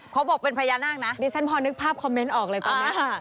เขาบอกเป็นพญานาคนะดิฉันพอนึกภาพคอมเมนต์ออกเลยตอนนี้